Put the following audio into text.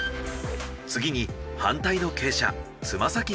次に反対の傾斜つま先下がり。